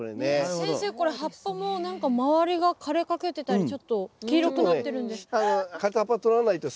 先生これ葉っぱもなんか周りが枯れかけてたりちょっと黄色くなってるんです。